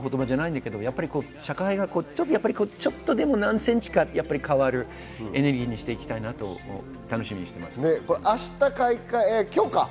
社会がちょっとでも、何ｃｍか変わるエネルギーにしていきたいなと楽しみにしています。